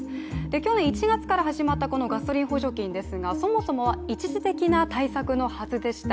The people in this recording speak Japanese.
去年１月から始まったこのガソリン補助金ですがそもそもは一時的な対策のはずでした。